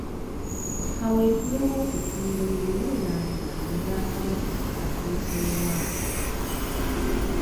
Kaweefube w'okutumbula eby'obulambuzi mu Bwakabaka atuuse wa?